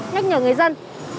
nhắc nhở người dân